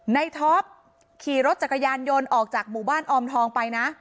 ท็อปขี่รถจักรยานยนต์ออกจากหมู่บ้านออมทองไปนะ